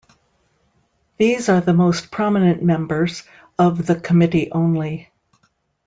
These are the most prominent members of the committee only.